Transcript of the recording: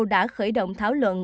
đã khởi động thảo luận